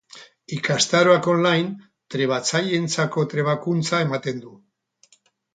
Ikastaroak on-line trebatzaileentzako trebakuntza ematen du.